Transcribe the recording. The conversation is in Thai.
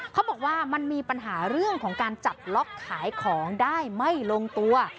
เขาบอกว่ามันมีปัญหาเรื่องของการจัดล็อกขายของได้ไม่ลงตัว